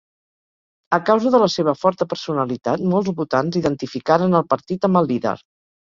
A causa de la seva forta personalitat, molts votants identificaren el partit amb el líder.